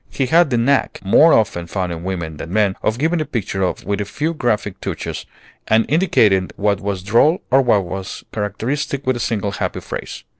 He had the knack, more often found in women than men, of giving a picture with a few graphic touches, and indicating what was droll or what was characteristic with a single happy phrase.